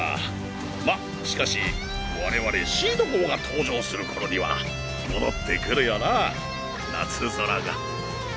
ましかし我々シード校が登場する頃には戻ってくるよな夏空が。